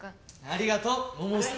ありがとう桃介！